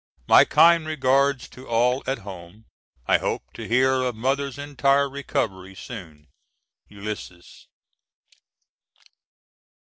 My kind regards to all at home. I hope to hear of Mother's entire recovery soon. ULYSSES.